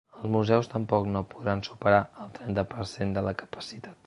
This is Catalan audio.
Els museus tampoc no podran superar el trenta per cent de la capacitat.